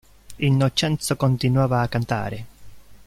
Innocenzo continuava a cantare.